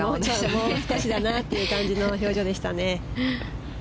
もう少しだなという感じの表情でしたね。